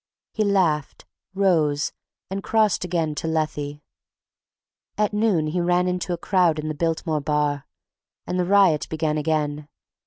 He laughed, rose, and crossed again to Lethe.... At noon he ran into a crowd in the Biltmore bar, and the riot began again.